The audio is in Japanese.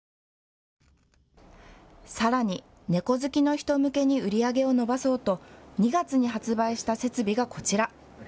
さらに猫好きの人向けに売り上げを伸ばそうと２月に発売した設備がこちら。